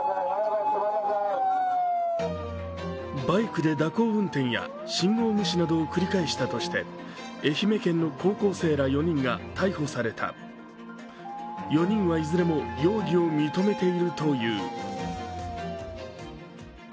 バイクで蛇行運転や信号無視などを繰り返したとして、愛媛県の高校生ら４人が逮捕された４人はいずれも容疑を認めているという。